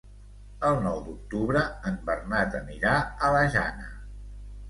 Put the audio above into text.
El nou d'octubre en Bernat anirà a la Jana.